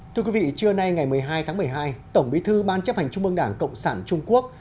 thưa quý vị trưa nay ngày một mươi hai tháng một mươi hai tổng bí thư ban chấp hành trung mương đảng cộng sản trung quốc